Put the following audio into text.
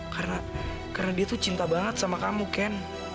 karena karena dia tuh cinta banget sama kamu ken